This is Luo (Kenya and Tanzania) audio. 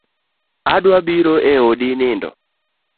Adwa biro e odi nindo